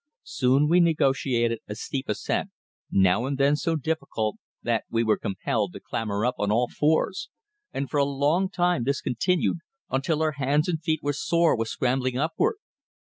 Soon we negotiated a steep ascent, now and then so difficult that we were compelled to clamber up on all fours, and for a long time this continued until our hands and feet were sore with scrambling upward.